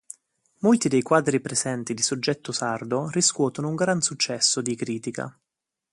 Molti dei quadri presenti, di soggetto sardo, riscuotono un gran successo di critica.